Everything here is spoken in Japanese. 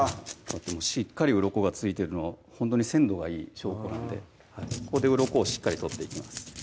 しっかりうろこが付いてるのはほんとに鮮度がいい証拠なんでここでうろこをしっかり取っていきます